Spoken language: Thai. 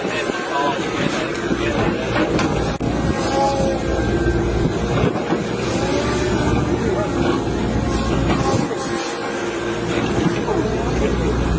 เติมไปแล้วเออหมายความภาษา